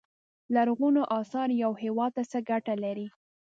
لرغونو اثار یو هیواد ته څه ګټه لري.